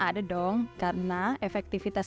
ada dong karena efektivitas